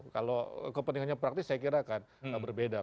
kalau kepentingannya praktis saya kira akan berbeda